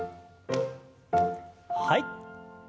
はい。